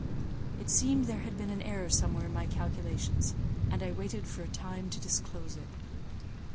It seemed there had been an error somewhere in my calculations, and I wanted for time to disclose it.